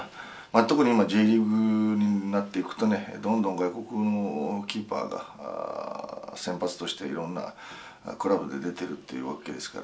特にＪリーグになっていくとどんどん外国のキーパーが先発として、いろんなクラブで出ているわけですから。